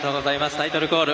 タイトルコール。